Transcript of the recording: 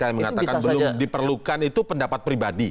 yang mengatakan belum diperlukan itu pendapat pribadi